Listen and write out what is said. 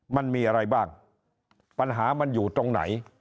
มันมีอะไรบ้างปัญหามันอยู่ตรงไหน